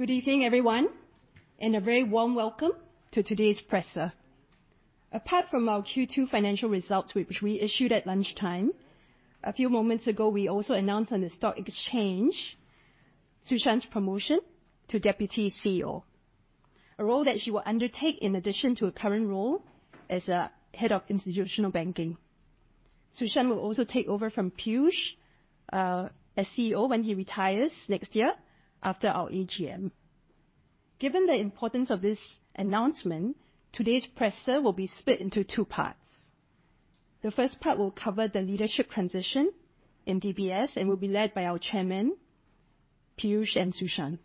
Good evening, everyone, and a very warm welcome to today's presser. Apart from our Q2 financial results, which we issued at lunchtime, a few moments ago, we also announced on the stock exchange, Su Shan's promotion to Deputy CEO. A role that she will undertake in addition to her current role as head of Institutional Banking. Su Shan will also take over from Piyush as CEO when he retires next year after our AGM. Given the importance of this announcement, today's presser will be split into two parts. The first part will cover the leadership transition in DBS and will be led by our Chairman, Piyush and Su Shan.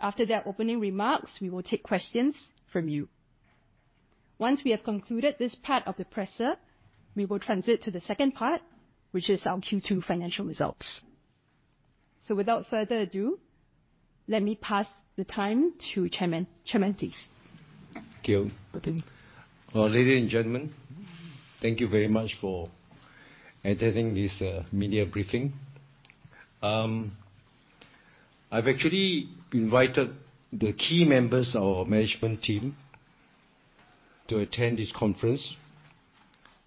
After their opening remarks, we will take questions from you. Once we have concluded this part of the presser, we will transition to the second part, which is our Q2 financial results. Without further ado, let me pass the time to Chairman. Chairman, please. Thank you. Good day. Well, ladies and gentlemen, thank you very much for attending this media briefing. I've actually invited the key members of our management team to attend this conference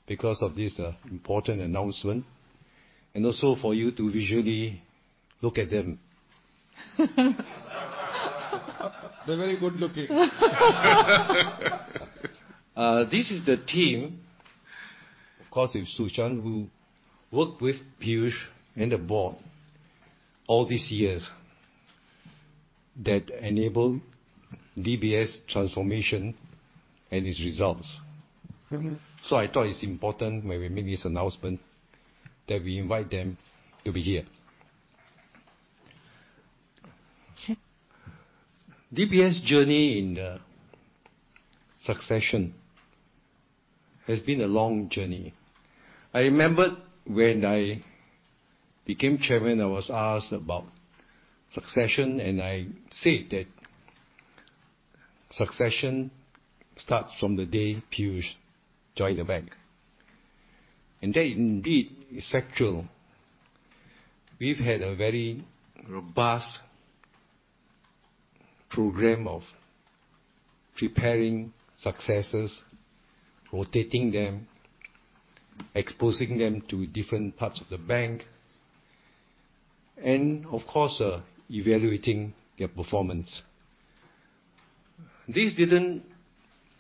because of this important announcement, and also for you to visually look at them. They're very good-looking. This is the team, of course, with Su Shan, who worked with Piyush and the Board all these years that enabled DBS transformation and its results. I thought it's important when we make this announcement that we invite them to be here. Sure. DBS journey in the succession has been a long journey. I remembered when I became chairman, I was asked about succession, and I said that succession starts from the day Piyush joined the bank. That indeed is factual. We've had a very robust program of preparing successors, rotating them, exposing them to different parts of the bank, and of course, evaluating their performance. This didn't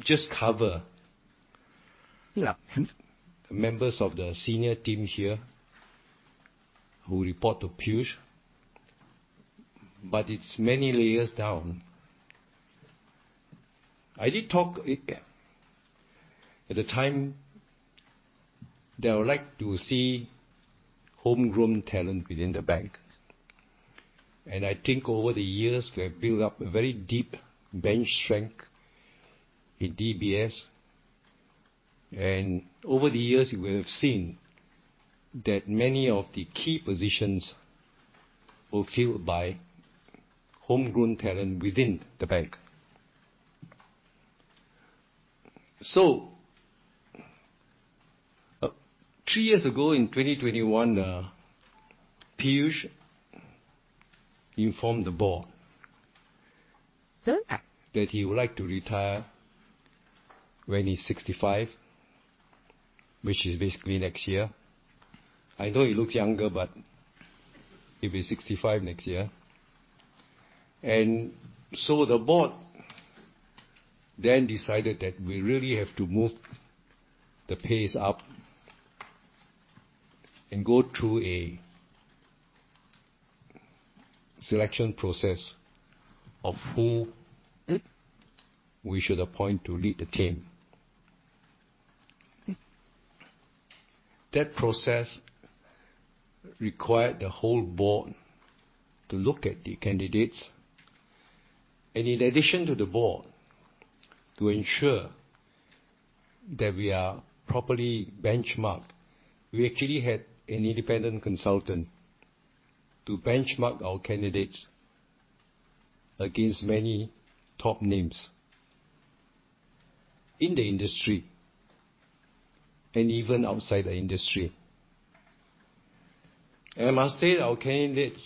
just cover. Yeah... members of the senior team here who report to Piyush, but it's many layers down. I did talk at the time that I would like to see homegrown talent within the bank. I think over the years, we have built up a very deep bench strength in DBS. Over the years, you will have seen that many of the key positions were filled by homegrown talent within the bank. Three years ago, in 2021, Piyush informed the board. that he would like to retire when he's 65, which is basically next year. I know he looks younger, but he'll be 65 next year. The board then decided that we really have to move the pace up and go through a selection process of who We should appoint to lead the team. That process required the whole board to look at the candidates. In addition to the board, to ensure that we are properly benchmarked, we actually had an independent consultant to benchmark our candidates against many top names in the industry and even outside the industry. I must say our candidates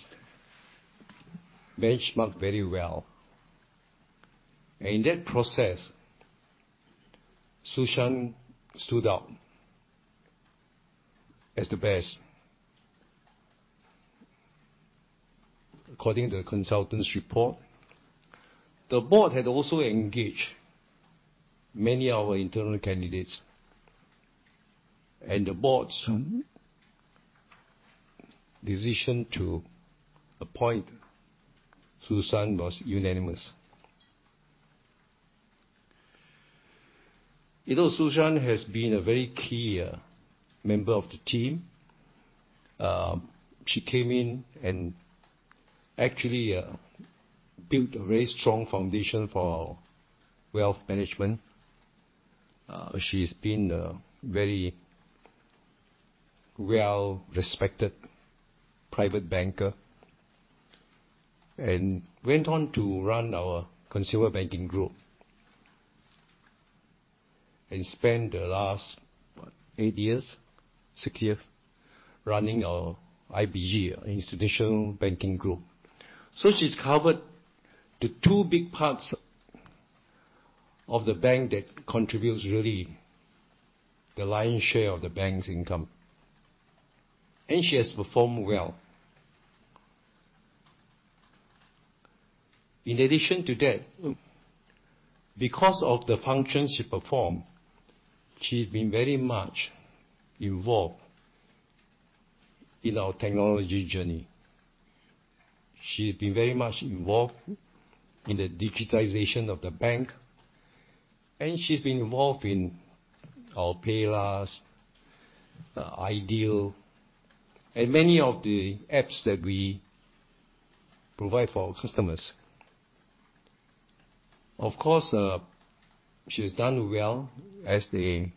benchmarked very well. In that process, Su Shan stood out as the best, according to the consultant's report. The board had also engaged many of our internal candidates, and the board's. Decision to appoint Su Shan was unanimous. You know, Su Shan has been a very key member of the team. She came in and actually built a very strong foundation for our wealth management. She's been a very well-respected private banker and went on to run our Consumer Banking Group. She spent the last six years running our IBG, Institutional Banking Group. She's covered the two big parts of the bank that contributes really the lion's share of the bank's income. She has performed well. In addition to that, because of the functions she performed, she's been very much involved in our technology journey. She's been very much involved in the digitization of the bank, and she's been involved in our PayLah!, our IDEAL, and many of the apps that we provide for our customers. Of course, she's done well as the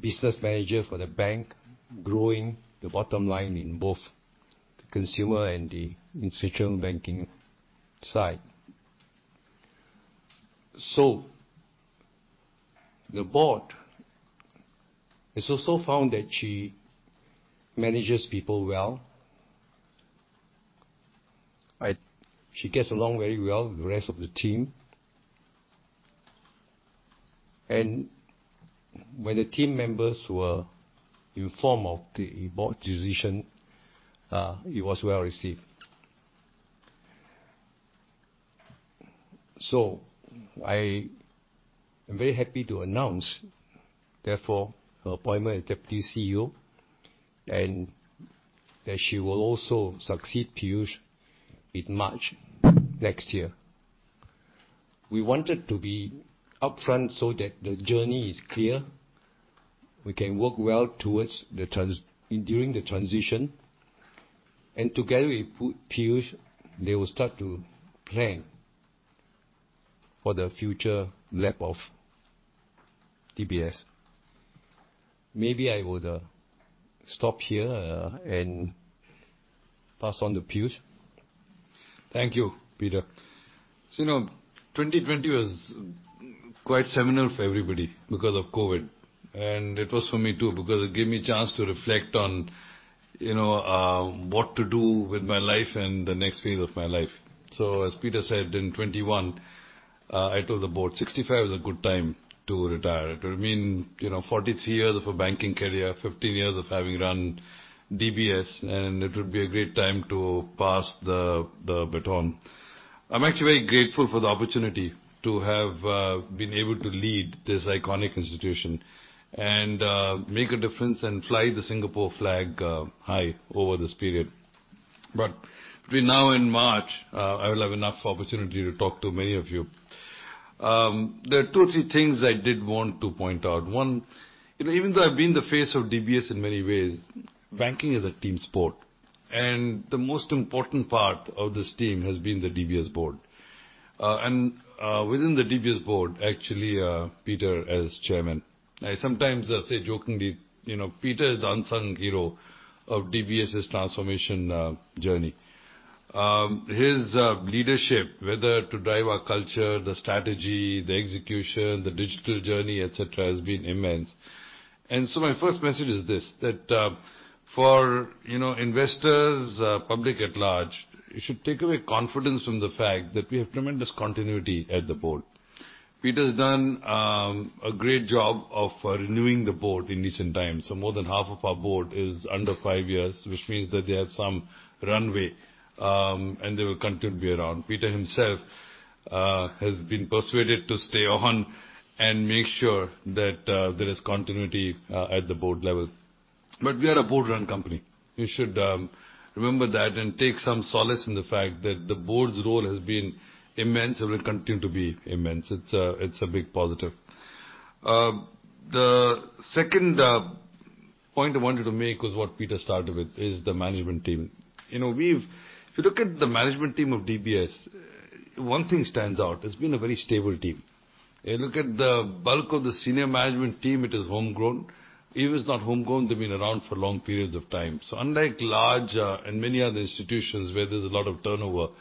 business manager for the bank, growing the bottom line in both the consumer and the institutional banking side. The board has also found that she manages people well. She gets along very well with the rest of the team. When the team members were informed of the board decision, it was well-received. I am very happy to announce, therefore, her appointment as Deputy CEO, and that she will also succeed Piyush in March next year. We wanted to be upfront so that the journey is clear, we can work well towards during the transition, and together with Piyush, they will start to plan for the future lap of DBS. Maybe I would stop here and pass on to Piyush. Thank you, Peter. You know, 2020 was quite seminal for everybody because of COVID. It was for me, too, because it gave me a chance to reflect on, you know, what to do with my life and the next phase of my life. As Peter said, in 2021, I told the board 65 is a good time to retire. It will mean, you know, 43 years of a banking career, 15 years of having run DBS, and it would be a great time to pass the baton. I'm actually very grateful for the opportunity to have been able to lead this iconic institution and make a difference and fly the Singapore flag high over this period. Between now and March, I will have enough opportunity to talk to many of you. There are two or three things I did want to point out. One, you know, even though I've been the face of DBS in many ways, banking is a team sport, and the most important part of this team has been the DBS Board. Within the DBS Board, actually, Peter as Chairman. I sometimes say jokingly, you know, Peter is the unsung hero of DBS' transformation journey. His leadership, whether to drive our culture, the strategy, the execution, the digital journey, et cetera, has been immense. My first message is this, that, for, you know, investors, public at large, you should take away confidence from the fact that we have tremendous continuity at the Board. Peter's done, a great job of renewing the Board in recent times. More than half of our Board is under five years, which means that they have some runway, and they will continue to be around. Peter himself has been persuaded to stay on and make sure that there is continuity at the Board level. We are a Board-run company. You should remember that and take some solace in the fact that the Board's role has been immense and will continue to be immense. It's a big positive. The second point I wanted to make was what Peter started with, is the management team. You know, if you look at the management team of DBS, one thing stands out. It's been a very stable team. If you look at the bulk of the senior management team, it is homegrown. If it's not homegrown, they've been around for long periods of time. Unlike large and many other institutions where there's a lot of turnover,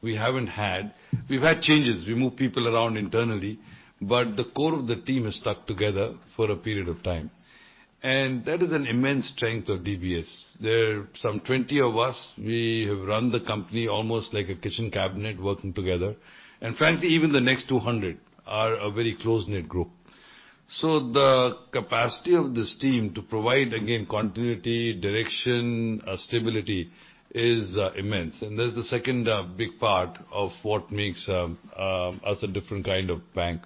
we haven't had. We've had changes. We move people around internally, but the core of the team has stuck together for a period of time. That is an immense strength of DBS. There are some 20 of us. We have run the company almost like a kitchen cabinet working together. Frankly, even the next 200 are a very close-knit group. The capacity of this team to provide, again, continuity, direction, stability is immense. That's the second big part of what makes us a different kind of bank.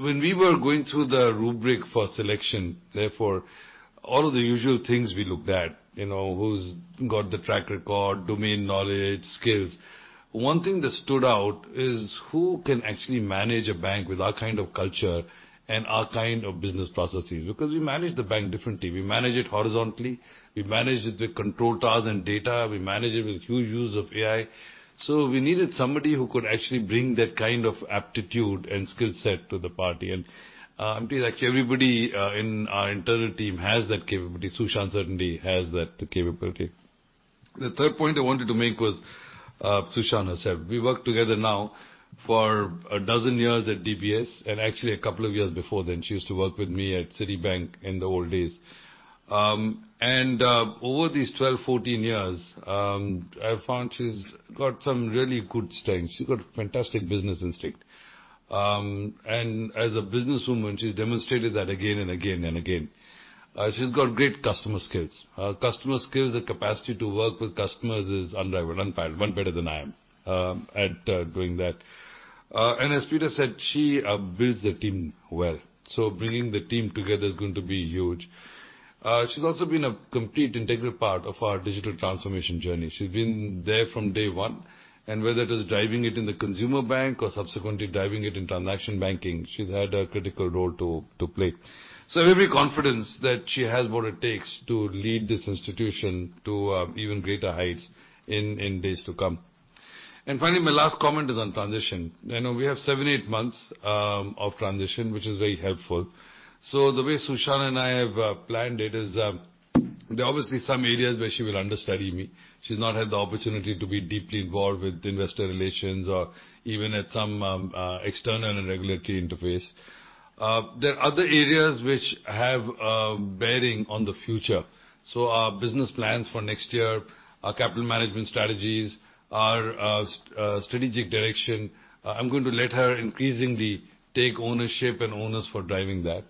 When we were going through the rubric for selection, therefore, all of the usual things we looked at, you know, who's got the track record, domain knowledge, skills. One thing that stood out is who can actually manage a bank with our kind of culture and our kind of business processes. Because we manage the bank differently. We manage it horizontally. We manage the control towers and data. We manage it with huge use of AI. We needed somebody who could actually bring that kind of aptitude and skill set to the party. Actually everybody in our internal team has that capability. Su Shan certainly has that capability. The third point I wanted to make was, Su Shan has said we work together now for 12 years at DBS and actually a couple of years before then, she used to work with me at Citibank in the old days. Over these 12-14 years, I found she's got some really good strengths. She's got fantastic business instinct. As a businesswoman, she's demonstrated that again and again and again. She's got great customer skills. Her customer skills, the capacity to work with customers is unrivaled, unparalleled. No one better than I am at doing that. As Peter said, she builds the team well. Bringing the team together is going to be huge. She's also been a complete integral part of our digital transformation journey. She's been there from day one, and whether it is driving it in the consumer bank or subsequently driving it in transaction banking, she's had a critical role to play. I have every confidence that she has what it takes to lead this institution to even greater heights in days to come. Finally, my last comment is on transition. You know, we have 7-8 months of transition, which is very helpful. The way Su Shan and I have planned it is, there are obviously some areas where she will understudy me. She's not had the opportunity to be deeply involved with investor relations or even at some external and regulatory interface. There are other areas which have bearing on the future. Our business plans for next year, our capital management strategies, our strategic direction, I'm going to let her increasingly take ownership for driving that.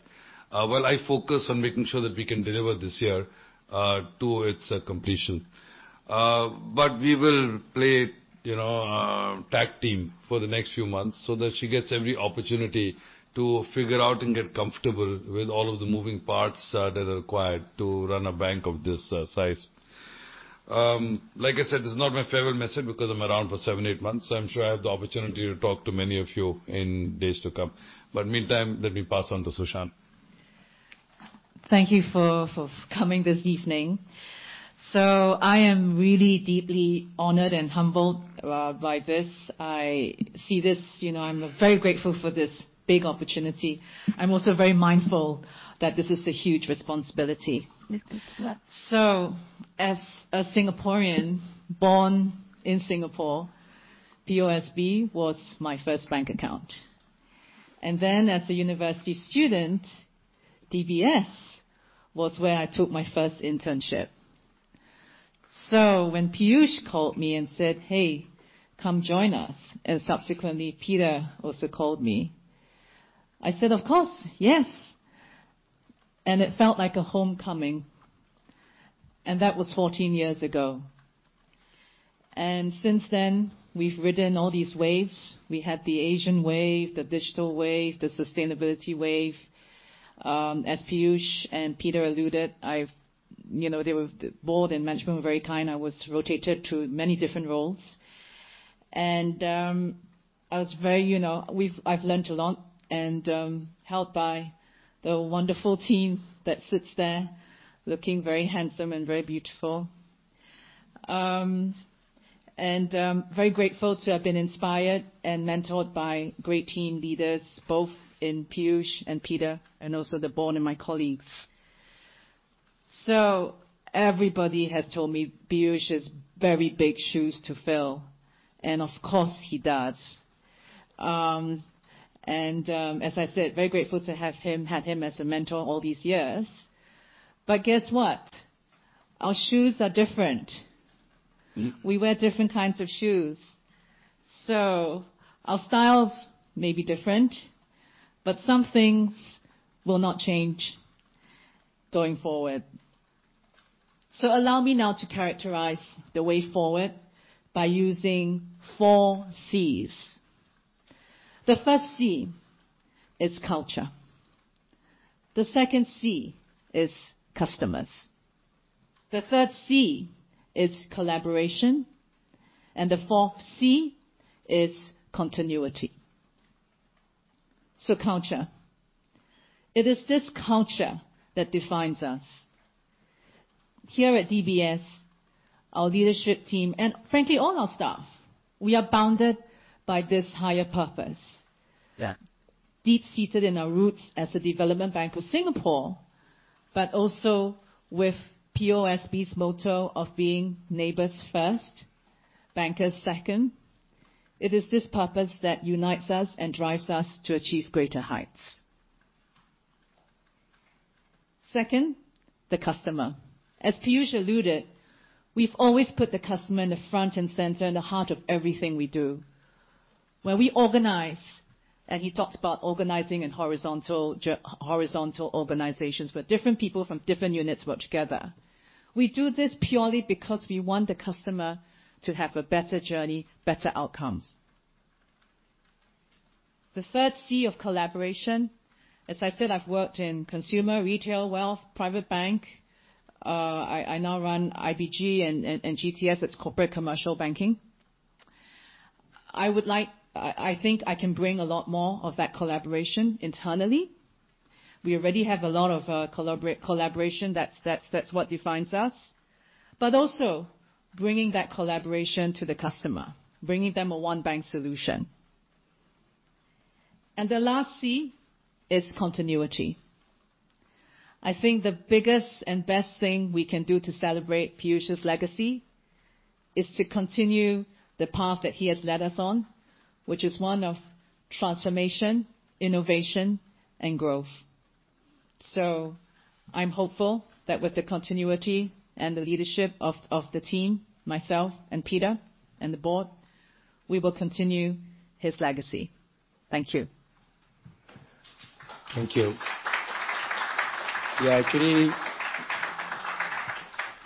While I focus on making sure that we can deliver this year to its completion. We will play, you know, tag team for the next few months so that she gets every opportunity to figure out and get comfortable with all of the moving parts that are required to run a bank of this size. Like I said, this is not my farewell message because I'm around for 7-8 months, so I'm sure I have the opportunity to talk to many of you in days to come. Meantime, let me pass on to Su Shan Tan. Thank you for coming this evening. I am really deeply honored and humbled by this. I see this. You know, I'm very grateful for this big opportunity. I'm also very mindful that this is a huge responsibility. As a Singaporean born in Singapore, POSB was my first bank account. As a university student, DBS was where I took my first internship. When Piyush called me and said, "Hey, come join us." Subsequently, Peter also called me. I said, "Of course. Yes." It felt like a homecoming. That was 14 years ago. Since then, we've ridden all these waves. We had the Asian wave, the digital wave, the sustainability wave. As Piyush and Peter alluded, you know, the board and management were very kind. I was rotated to many different roles. I was very, you know, I've learned a lot and helped by the wonderful teams that sits there looking very handsome and very beautiful. Very grateful to have been inspired and mentored by great team leaders, both in Piyush and Peter, and also the board and my colleagues. Everybody has told me Piyush has very big shoes to fill, and of course he does. As I said, very grateful to have him, had him as a mentor all these years. Guess what? Our shoes are different. We wear different kinds of shoes. Our styles may be different, but some things will not change going forward. Allow me now to characterize the way forward by using four Cs. The first C is culture, the second C is customers, the third C is collaboration, and the fourth C is continuity. Culture. It is this culture that defines us. Here at DBS, our leadership team, and frankly, all our staff, we are bound by this higher purpose. Yeah. Deep-seated in our roots as a Development Bank of Singapore, but also with POSB's motto of being neighbors first, bankers second. It is this purpose that unites us and drives us to achieve greater heights. Second, the customer. As Piyush alluded, we've always put the customer in the front and center in the heart of everything we do. When we organize, and he talked about organizing and horizontal organizations, where different people from different units work together. We do this purely because we want the customer to have a better journey, better outcomes. The third C of collaboration. As I said, I've worked in consumer, retail, wealth, private bank. I now run IBG and GTS, its corporate commercial banking. I think I can bring a lot more of that collaboration internally. We already have a lot of collaboration. That's what defines us. Also bringing that collaboration to the customer, bringing them a one bank solution. The last C is continuity. I think the biggest and best thing we can do to celebrate Piyush's legacy is to continue the path that he has led us on, which is one of transformation, innovation, and growth. I'm hopeful that with the continuity and the leadership of the team, myself and Peter and the board, we will continue his legacy. Thank you. Thank you. Yeah.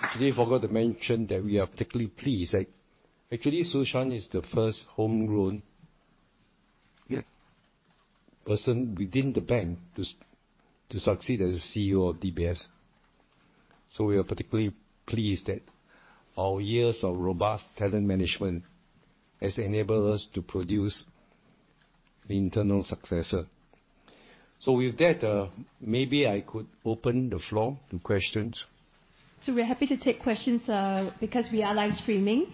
Actually, I forgot to mention that we are particularly pleased. Actually, Su Shan is the first homegrown person within the bank to succeed as CEO of DBS. We are particularly pleased that our years of robust talent management has enabled us to produce the internal successor. With that, maybe I could open the floor to questions. We're happy to take questions, because we are live streaming,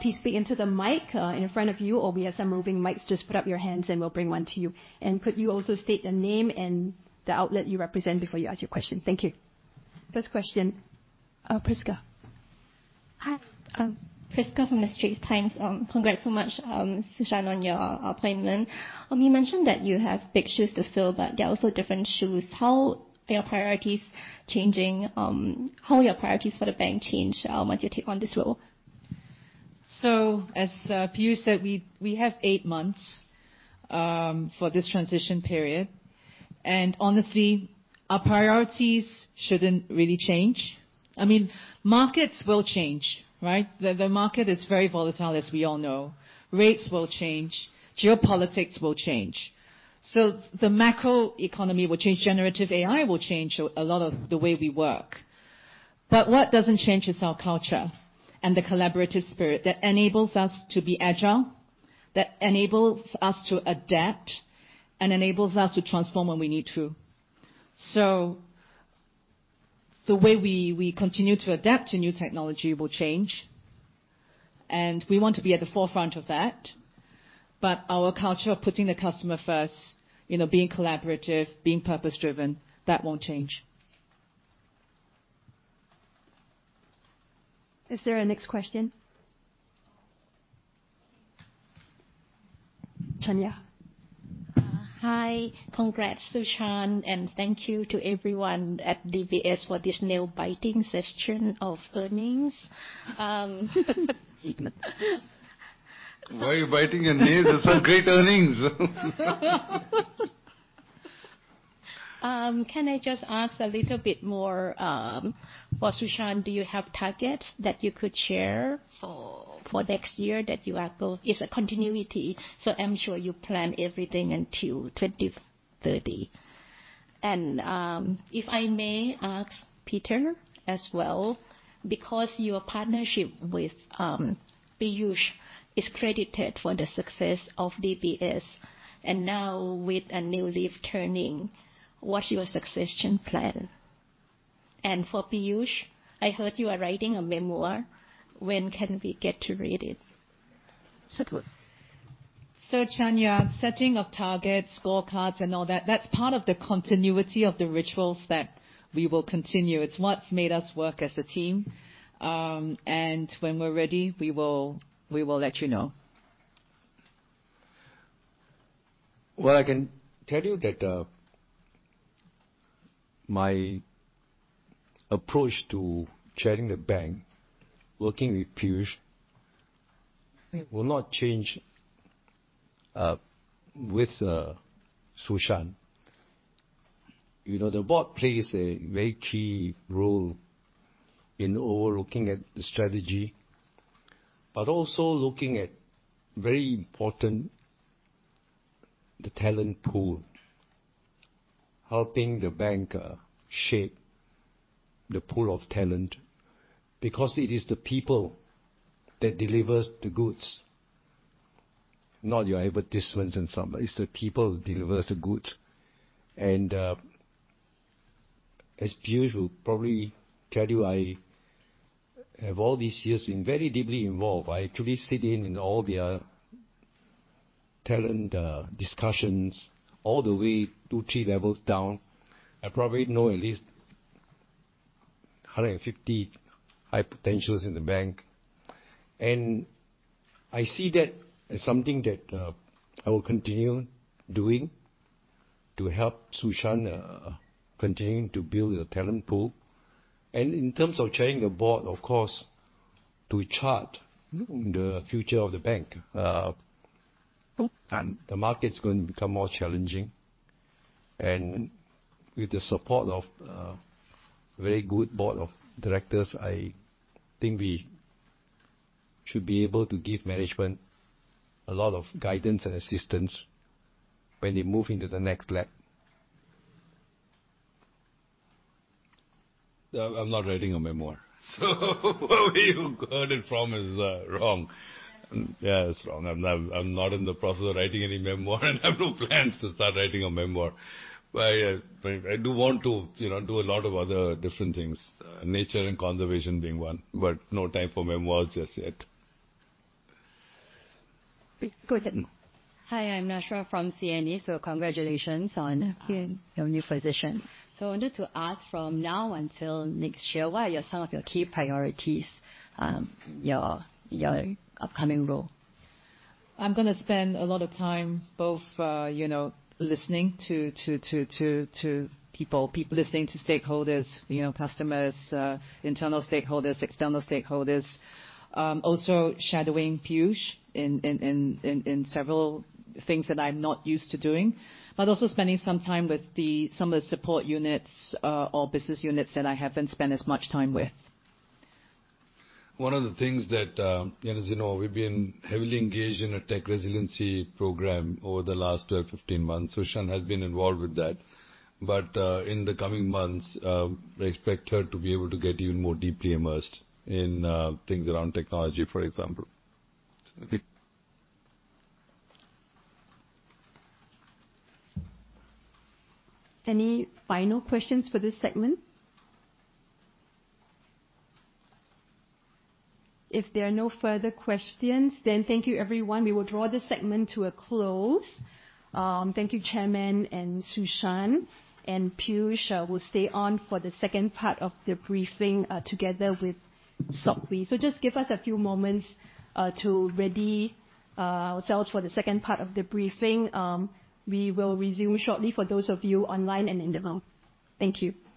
please speak into the mic, in front of you. Or we have some moving mics, just put up your hands and we'll bring one to you. Could you also state the name and the outlet you represent before you ask your question. Thank you. First question. Prisca. Hi. Prisca from The Straits Times. Congrats so much, Su Shan, on your appointment. You mentioned that you have big shoes to fill, but they're also different shoes. How will your priorities for the bank change once you take on this role? As Piyush said, we have eight months for this transition period. Honestly, our priorities shouldn't really change. I mean, markets will change, right? The market is very volatile, as we all know. Rates will change. Geopolitics will change. The macroeconomy will change. Generative AI will change a lot of the way we work. But what doesn't change is our culture and the collaborative spirit that enables us to be agile, that enables us to adapt, and enables us to transform when we need to. The way we continue to adapt to new technology will change, and we want to be at the forefront of that. But our culture of putting the customer first, you know, being collaborative, being purpose-driven, that won't change. Is there a next question? Chanya. Hi. Congrats, Su Shan, and thank you to everyone at DBS for this nail-biting session of earnings. Why are you biting your nails? These are great earnings. Can I just ask a little bit more for Su Shan, do you have targets that you could share for next year. It's a continuity, so I'm sure you plan everything until 2030. If I may ask Peter as well, because your partnership with Piyush is credited for the success of DBS, and now with a new leaf turning, what's your succession plan? For Piyush, I heard you are writing a memoir. When can we get to read it? So- Go ahead. Chanya, setting of targets, scorecards and all that's part of the continuity of the rituals that we will continue. It's what's made us work as a team. When we're ready, we will let you know. Well, I can tell you that, my approach to chairing the bank, working with Piyush, will not change, with Su Shan. You know, the board plays a very key role in overlooking at the strategy, but also looking at very important, the talent pool. Helping the bank shape the pool of talent, because it is the people that deliver the goods, not your advertisements and some. It's the people who deliver the goods. As Piyush will probably tell you, I have all these years been very deeply involved. I actually sit in all their talent discussions all the way two, three levels down. I probably know at least 150 high potentials in the bank. I see that as something that I will continue doing to help Su Shan continue to build the talent pool. In terms of chairing the board, of course, to chart the future of the bank. The market's going to become more challenging. With the support of, very good board of directors, I think we should be able to give management a lot of guidance and assistance when they move into the next leg. I'm not writing a memoir. Wherever you heard it from is, wrong. Yeah, it's wrong. I'm not in the process of writing any memoir, and I have no plans to start writing a memoir. I do want to, you know, do a lot of other different things, nature and conservation being one, but no time for memoirs just yet. Go ahead. Hi, I'm from CNA. Congratulations on- Thank you. In your new position. I wanted to ask, from now until next year, what are some of your key priorities, your upcoming role? I'm gonna spend a lot of time both listening to people. Listening to stakeholders, you know, customers, internal stakeholders, external stakeholders. Also shadowing Piyush in several things that I'm not used to doing, but also spending some time with some of the support units or business units that I haven't spent as much time with. One of the things that, as you know, we've been heavily engaged in a tech resiliency program over the last 12-15 months. Su Shan has been involved with that. In the coming months, I expect her to be able to get even more deeply immersed in things around technology, for example. Any final questions for this segment? If there are no further questions, then thank you, everyone. We will draw this segment to a close. Thank you, Chairman and Su Shan. Piyush will stay on for the second part of the briefing, together with Sok Wee. Just give us a few moments to ready ourselves for the second part of the briefing. We will resume shortly for those of you online and in the room. Thank you. Thank you.